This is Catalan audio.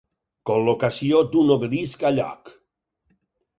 Col·locació d'un obelisc a lloc.